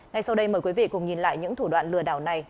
ngay sau đây mời quý vị cùng nhìn lại những thủ đoạn lừa đảo này